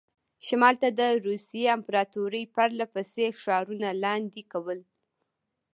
شمال ته د روسیې امپراطوري پرله پسې ښارونه لاندې کول.